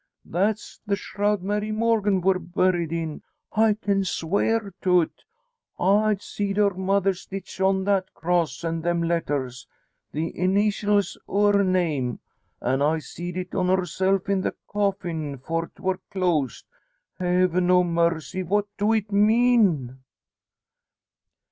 "That's the shroud Mary Morgan wor buried in! I can swear to 't. I seed her mother stitch on that cross an' them letters the ineetials o' her name. An' I seed it on herself in the coffin 'fore't wor closed. Heaven o' mercy! what do it mean?"